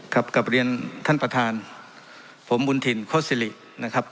ครับกราบเรียนท่านประธานผมบุญถิ่นโคศลินะครับ